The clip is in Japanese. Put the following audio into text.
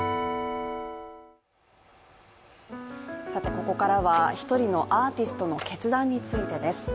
ここからは１人のアーティストの決断についてです。